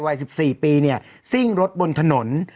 วัย๑๔ปีเนี่ยซิ่งรถบนถนน